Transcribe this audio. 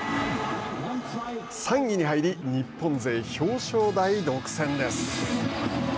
３位に入り日本勢表彰台独占です。